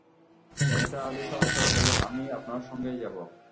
নিসার আলি সহজ স্বরে বললেন, আমি আপনার সঙ্গেই যাব।